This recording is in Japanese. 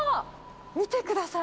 見てください。